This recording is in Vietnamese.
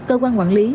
cơ quan quản lý